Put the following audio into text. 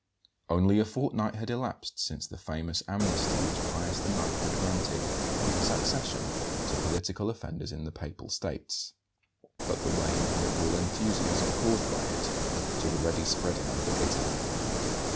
Only a fortnight had elapsed since the famous amnesty which Pius IX. had granted, on his accession, to political offenders in the Papal States; but the wave of liberal enthusiasm caused by it was already spreading over Italy.